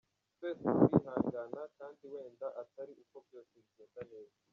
Twese turihangana kandi wenda atari uko byose bigenda neza.